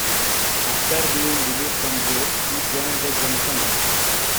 After being released from jail he joined the Jan Sangh.